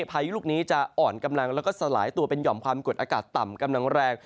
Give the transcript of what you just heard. พายุลูกนี้จะอ่อนกำลังแล้วก็สลายตัวเป็นห่อมความกดอากาศต่ำกำลังแรง